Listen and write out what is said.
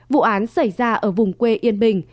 vụ án xảy ra ở vùng quê yên bình